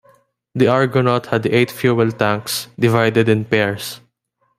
The Argonaut had eight fuel tanks, divided in pairs.